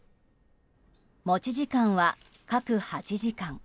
持ち時間は各８時間。